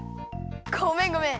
ごめんごめん！